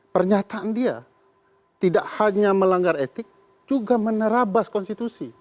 pernyataan dia tidak hanya melanggar etik juga menerabas konstitusi